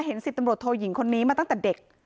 เห็นศิษย์ตำรวจโทยิงคนนี้มาตั้งแต่เด็ก